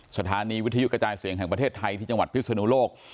สถานีวิทยุกระจายเสียงแห่งประเทศไทยที่จังหวัดพิศนุโลก